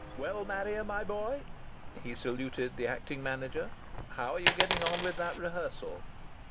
"Well, Marrier, my boy," he saluted the acting manager, "how are you getting on with that rehearsal?"